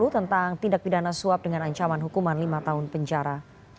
tentang tindak pidana suap dengan ancaman hukuman lima tahun penjara